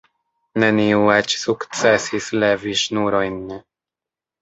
Neniu eĉ sukcesis levi ŝnurojn.